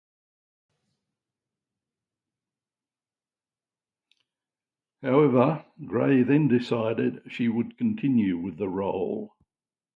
However, Gray then decided she would continue with the role.